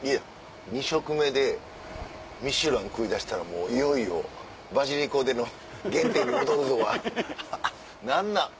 ２食目でミシュラン食いだしたらもういよいよばじりこでの「原点に戻るぞ！」は何なん？